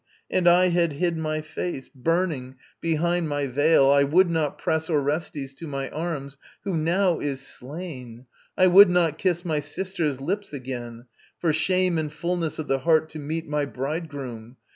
And I had hid my face, Burning, behind my veil. I would not press Orestes to my arms ... who now is slain! ... I would not kiss my sister's lips again, For shame and fulness of the heart to meet My bridegroom.